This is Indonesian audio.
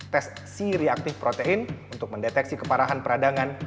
tes c reaktif protein untuk mendeteksi keparahan peradangan